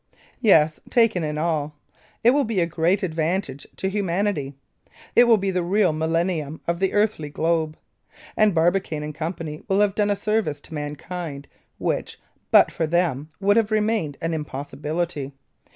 Yes, taken in all, it will be a great advantage to humanity. It will be the real millennium of the earthly globe. And Barbicane & Co. will have done a service to mankind which but for them would have remained an impossibility."